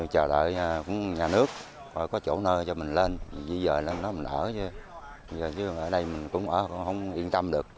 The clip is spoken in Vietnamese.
chờ đợi nhà nước có chỗ nơi cho mình lên di dời lên đó mình ở chứ giờ chứ ở đây mình cũng ở không yên tâm được